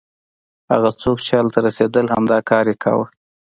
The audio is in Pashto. هغه څوک چې هلته رسېدل همدا کار یې کاوه.